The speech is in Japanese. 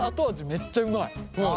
めっちゃうまい。